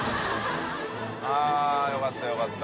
◆舛よかったよかった。